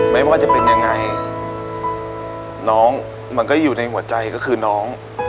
ไม่ว่าจะเป็นยังไงน้องมันก็อยู่ในหัวใจก็คือน้อง